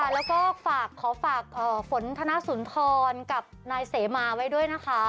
แล้วก็ฝากขอฝากฝนธนสุนทรกับนายเสมาไว้ด้วยนะคะ